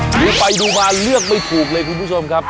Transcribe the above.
ดูไปดูมาเลือกไม่ถูกเลยคุณผู้ชมครับ